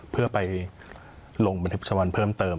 เพื่อไปลงบันทึกประจำวันเพิ่มเติม